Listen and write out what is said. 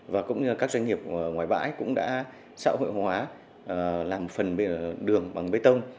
và cũng như các doanh nghiệp ngoài bãi cũng đã xã hội hóa làm phần đường bằng bê tông